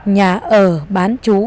nhà ở bán chú